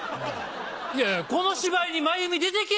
いやいやこの芝居にマユミ出てけぇ